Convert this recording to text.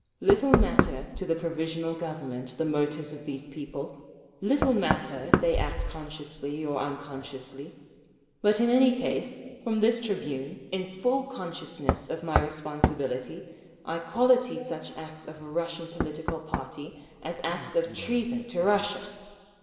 Little matter to the Provisional Government the motives of these people, little matter if they act consciously or unconsciously; but in any case, from this tribune, in full consciousness of my responsibility, I quality such acts of a Russian political party as acts of treason to Russia!